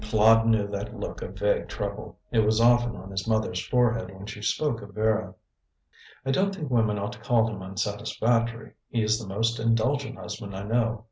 Claude knew that look of vague trouble. It was often on his mother's forehead when she spoke of Vera. "I don't think women ought to call him unsatisfactory. He is the most indulgent husband I know.